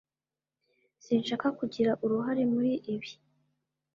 sinshaka kugira uruhare muri ibi